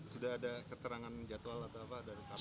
sudah ada keterangan jadwal atau apa